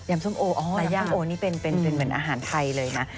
ยำส้มโอแหละอะฮะและยำโอนี่เป็นอาหารไทยเลยนะ